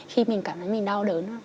khi mình cảm thấy mình đau đớn